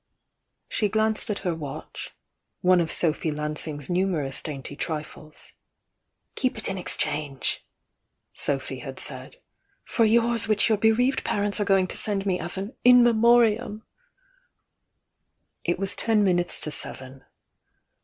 She glanced at her watch, — one of Sophy Lan sing's numerous dainty trifles — "Keep it in ex change," Sophy had said, "for yours which your be reaved parents are going to send me as an 'In Me moriam'i" It was ten minutes to seven.